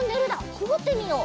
くぐってみよう。